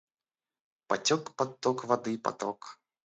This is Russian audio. Потек под ток воды поток.